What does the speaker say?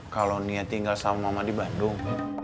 kalau niat tinggal sama mama di bandung